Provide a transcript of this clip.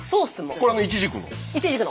これはイチジクの？